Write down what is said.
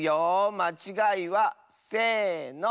まちがいはせの！